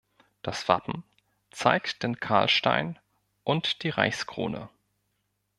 Das Wappen zeigt den Karlstein und die Reichskrone.